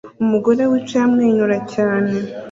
Umugore wicaye amwenyura cyane